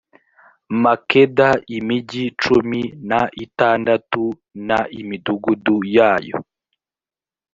makeda imigi cumi n itandatu n imidugudu yayo